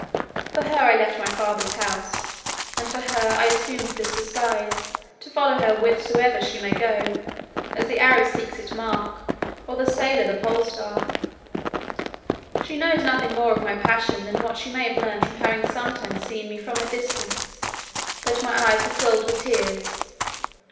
For her I left my father's house, and for her I assumed this disguise, to follow her whithersoever she may go, as the arrow seeks its mark or the sailor the pole star. She knows nothing more of my passion than what she may have learned from having sometimes seen from a distance that my eyes were filled with tears.